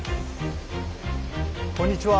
こんにちは。